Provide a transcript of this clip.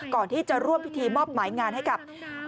ก่อนที่จะร่วมพิธีมอบหมายงานให้กับ